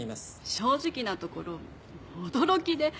「正直なところ驚きで」